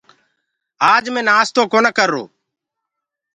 آج مينٚ نآستو ڪونآ ڪرو۔